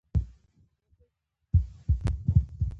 سیده ځئ